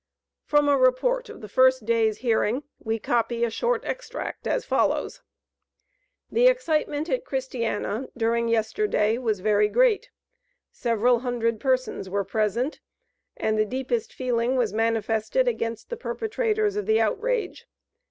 From a report of the first day's hearing we copy a short extract, as follows: "The excitement at Christiana, during yesterday, was very great. Several hundred persons were present, and the deepest feeling was manifested against the perpetrators of the outrage.